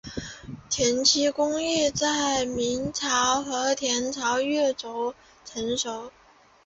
填漆工艺在明朝和清朝越趋成熟。